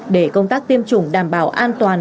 để công tác tiêm chủng đảm bảo an toàn